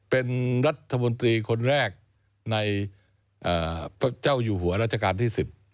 เป็นรัฐมนตรีคนแรกในพระเจ้าอยู่หัวรัชกาลที่๑๐